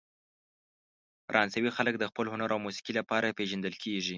فرانسوي خلک د خپل هنر او موسیقۍ لپاره پېژندل کیږي.